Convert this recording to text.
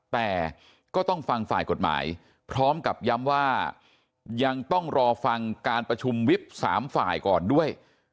แต่ก็ต้องฟังฝ่ายกฎหมายพร้อมกับย้ำว่ายังต้องรอฟังการประชุมวิบ๓ฝ่ายก่อนด้วย